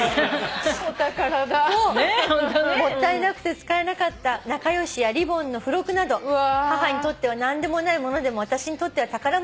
「もったいなくて使えなかった『なかよし』や『りぼん』の付録など母にとっては何でもない物でも私にとっては宝物でした」